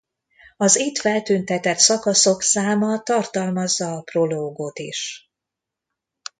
Az itt feltüntetett szakaszok száma tartalmazza a prológot is!